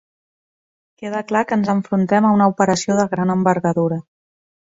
Queda clar que ens enfrontem a una operació de gran envergadura.